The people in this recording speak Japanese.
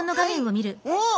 おっ！